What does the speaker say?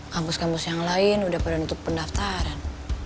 kampus kampus yang lain sudah pada nutup pendaftaran